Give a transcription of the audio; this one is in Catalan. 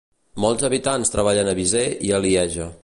Molts habitants treballen a Visé i a Lieja.